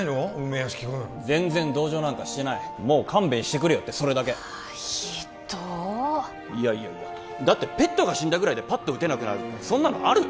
梅屋敷君全然同情なんかしてない「もう勘弁してくれよ」ってそれだけひっどいやいやいやだってペットが死んだぐらいでパット打てなくなるってそんなのある？